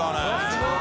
△すごい！